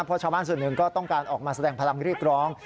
เพราะชาวบ้านส่วนหนึ่งก็ต้องการออกมาแสดงพลังเรียกร้อง